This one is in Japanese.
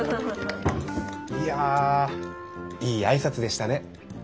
いやいい挨拶でしたね。